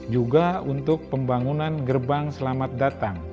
juga untuk pembangunan gerbang selamat datang